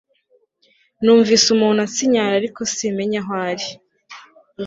numvise umuntu ansinyara ariko simenye aho ari